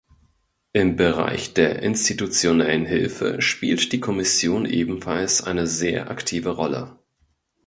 Im Bereich der institutionellen Hilfe spielt die Kommission ebenfalls eine sehr aktive Rolle.